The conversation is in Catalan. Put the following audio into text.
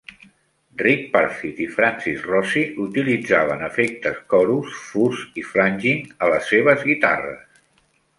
Rick Parfitt i Francis Rossi utilitzaven efectes chorus, fuzz i flanging a les seves guitarres.